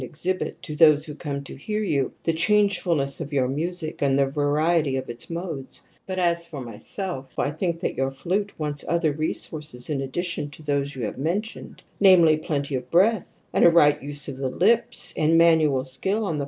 exhibit to those who come to hear you the changefulness of your music and the variety of its modes. But as for myself, I think that your flute wants other resources in addition to those you have mentioned, namely plenty of breath, and a right use of the lips, and manual skill on the.